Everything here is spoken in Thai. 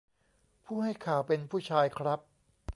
ผู้ให้ข่าวเป็นผู้ชายครับ